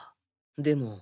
でも